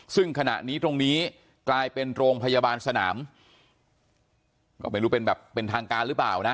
ซึ่งขณะนี้ตรงนี้กลายเป็นโรงพยาบาลสนามก็ไม่รู้เป็นแบบเป็นทางการหรือเปล่านะ